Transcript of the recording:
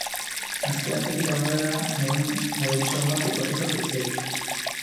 Asteartetik aurrera egun hodeitsuagoak etorriko zaizkigu.